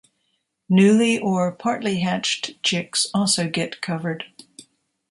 Newly or partly hatched chicks also get covered.